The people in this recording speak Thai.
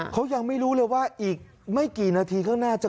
เขายังไม่รู้เลยว่าอีกไม่กี่นาทีก็น่าจะกลับมา